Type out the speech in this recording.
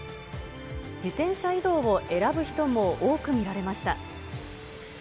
自転車移動を選ぶ人も多く見られました。